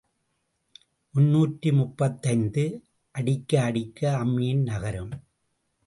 முன்னூற்று முப்பத்தைந்து அடிக்க அடிக்க அம்மியும் நகரும்.